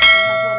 keluarga si sulam